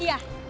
oh gitu mbak